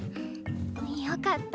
よかった。